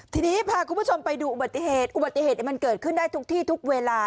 ทีนี้พาคุณผู้ชมไปดูอุบัติเหตุอุบัติเหตุมันเกิดขึ้นได้ทุกที่ทุกเวลา